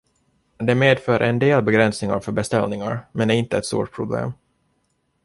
Det medför en del begränsningar för beställningar, men är inte ett stort problem.